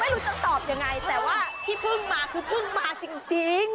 ไม่รู้จะตอบยังไงแต่ว่าที่เพิ่งมาคือเพิ่งมาจริง